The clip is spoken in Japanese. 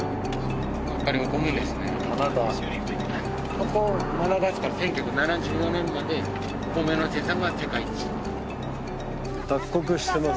ここマダガスカルは１９７４年までお米の生産が世界一。